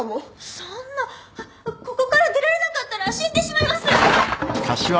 そんなここから出られなかったら死んでしまいます！